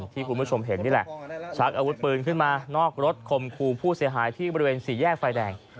ที่คุณผู้ชมเห็นนี่แหละชักอาวุธปืนขึ้นมานอกรถคมครูผู้เสียหายที่บริเวณสี่แยกไฟแดง